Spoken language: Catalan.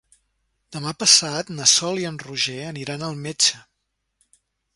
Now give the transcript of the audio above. Demà passat na Sol i en Roger aniran al metge.